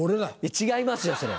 違いますよそれ。